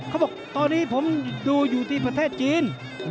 เขาบอกตอนนี้ผมดูอยู่ที่ประเทศจีน